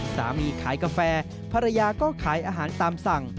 สามีขายกาแฟภรรยาก็ขายอาหารตามสั่ง